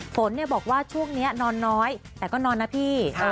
ฝนบอกว่าช่วงนี้นอนน้อยแต่ก็นอนนะพี่